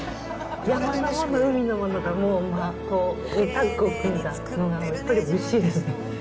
山のもの、海のものがタッグを組んだのがおいしいですね。